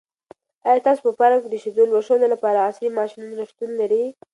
آیا ستاسو په فارم کې د شیدو لوشلو لپاره عصري ماشینونه شتون لري؟